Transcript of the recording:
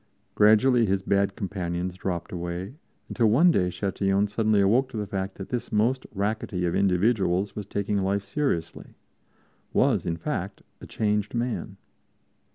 Gradually his bad companions dropped away, until one day Châtillon suddenly awoke to the fact that this most rackety of individuals was taking life seriously was, in fact, a changed man.